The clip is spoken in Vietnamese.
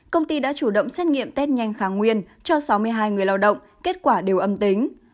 công ty đã chủ động xét nghiệm test nhanh kháng nguyên cho sáu mươi hai người lao động kết quả đều âm tính